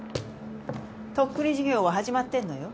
とっくに授業は始まってんのよ。